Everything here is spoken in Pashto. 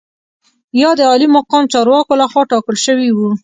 یا د عالي مقام چارواکو لخوا ټاکل شوي وو.